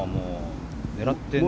狙ってね。